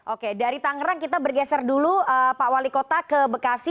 oke dari tangerang kita bergeser dulu pak wali kota ke bekasi